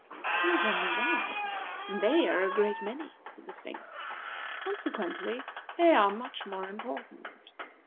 "He is only one, and they are a great many," said the Sphinx. "Consequently they are much more important.